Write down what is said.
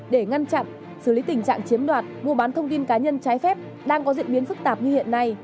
để ngăn chặn xử lý tình trạng chiếm đoạt mua bán thông tin cá nhân trái phép đang có diễn biến phức tạp như hiện nay